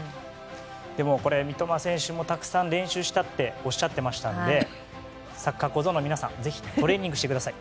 でも、これ三笘選手もたくさん練習したっておっしゃっていましたのでサッカー小僧の皆さんぜひトレーニングしてください。